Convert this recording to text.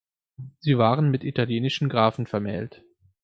Sie waren mit italienischen Grafen vermählt.